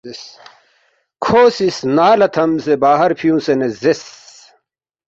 کھو سی سنا لہ تھمسے باہر فیُونگسے نہ زیرس،